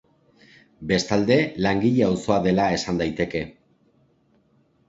Bestalde langile auzoa dela esan daiteke.